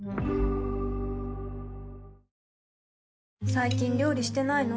最近料理してないの？